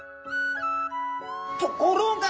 ところが！